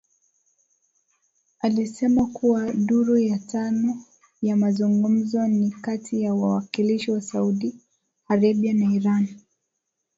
Alisema kuwa duru ya tano ya mazungumzo ni kati ya wawakilishi wa Saudi Arabia na Iran